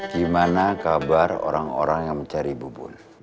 gimana kabar orang orang yang mencari bubur